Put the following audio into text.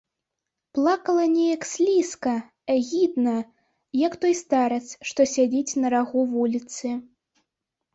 Плакала неяк слізка, агідна, як той старац, што сядзіць на рагу вуліцы.